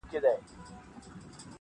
نیکه د ژمي په اوږدو شپو کي کیسې کولې-